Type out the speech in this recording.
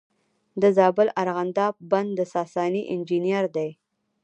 د زابل ارغنداب بند د ساساني انجینر دی